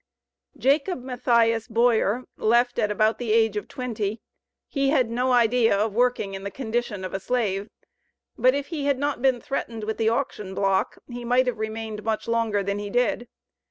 JACOB MATTHIAS BOYER left at about the age of twenty. He had no idea of working in the condition of a slave, but if he had not been threatened with the auction block, he might have remained much longer than he did.